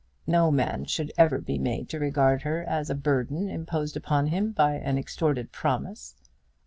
No man should ever be made to regard her as a burden imposed upon him by an extorted promise!